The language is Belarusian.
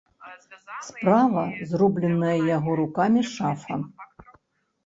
Справа зробленая яго рукамі шафа.